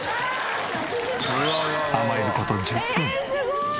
甘える事１０分。